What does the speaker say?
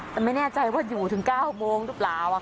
แต่ไม่แน่ใจว่าอยู่ถึง๙โมงหรือเปล่า